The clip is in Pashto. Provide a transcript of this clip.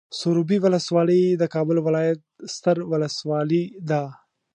سروبي ولسوالۍ د کابل ولايت ستر ولسوالي ده.